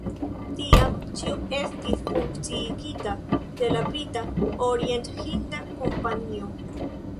Tiam ĉio estis funkciigita de la Brita Orienthinda Kompanio.